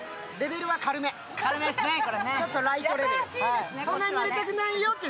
ちょっとライトレベル。